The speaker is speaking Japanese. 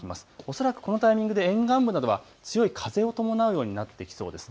恐らくこのタイミングで沿岸部などは強い風を伴うようになってきそうです。